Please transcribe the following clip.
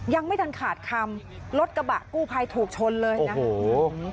ยังไม่ทันขาดคำรถกระบะกู้ภัยถูกชนเลยนะครับ